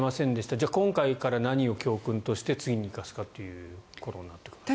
じゃあ今回から何を教訓として次に生かすかということになってくるわけですね。